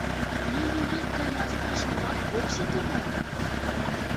Леве вӱд гай ласка шомак ок сите мо?